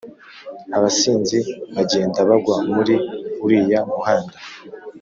abasinzi bajyenda bagwa muri uriya muhanda